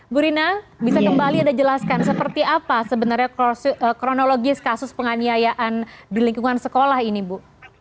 bu rina bisa kembali anda jelaskan seperti apa sebenarnya kronologis kasus penganiayaan di lingkungan sekolah ini bu